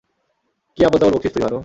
কী আবোল-তাবোল বকছিস তুই, ভানু?